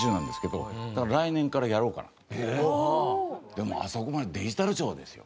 でもあそこまでデジタル庁ですよ。